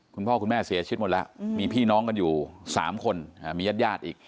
คุณพ่อคุณแม่เสียชีวิตหมดแล้วมีพี่น้องกันอยู่๓คนมีญาติญาติอีก